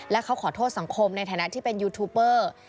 และเขาขอโทษสังคมในฐานะที่เป็นยูทูปเปอร์